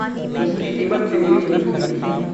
उसकी कीमत तिगुनी हो चुकी थी।